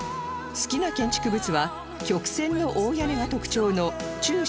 好きな建築物は曲線の大屋根が特徴の澄心寺庫裏